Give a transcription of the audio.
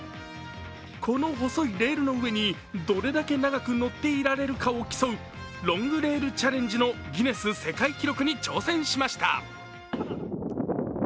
この細いレールの上にどれだけ長く乗っていられるかを競う、ロング・レール・チャレンジのギネス世界記録に挑戦しました。